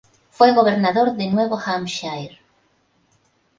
Fue Gobernador de Nuevo Hampshire.